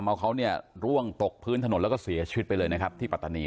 เอาเขาเนี่ยร่วงตกพื้นถนนแล้วก็เสียชีวิตไปเลยนะครับที่ปัตตานี